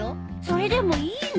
それでもいいの？